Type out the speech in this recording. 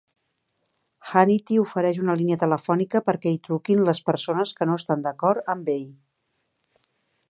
Hannity ofereix una línia telefònica perquè hi truquin les persones que no estan d'acord amb ell.